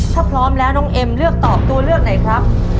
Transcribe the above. ถ้าพร้อมแล้วน้องเอ็มเลือกตอบตัวเลือกไหนครับ